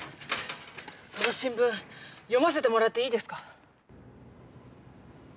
その新聞読ませてもらっていいですか？